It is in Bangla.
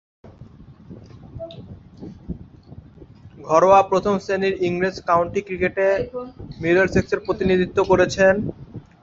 ঘরোয়া প্রথম-শ্রেণীর ইংরেজ কাউন্টি ক্রিকেটে মিডলসেক্সের প্রতিনিধিত্ব করেছেন।